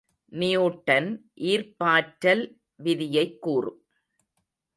Newton ஈர்ப்பாற்றல் விதியைக் கூறு.